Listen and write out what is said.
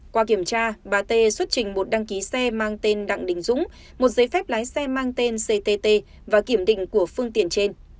qua kiểm tra bà t xuất trình một đăng ký xe mang tên đặng đình dũng một giấy phép lái xe mang tên ctt và kiểm định của phương tiện trên